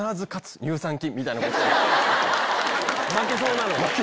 負けそうなのに。